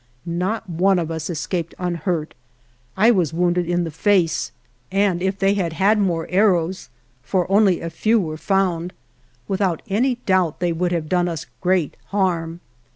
Not one of us escaped unhurt. I was wounded in the face, and if they had had more arrows (for only a few were 45 THE JOURNEY OF found) without any doubt they would have done us great harm.